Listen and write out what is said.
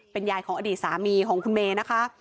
เป็นยายของอดีตสามีของคุณเมย์นะคะ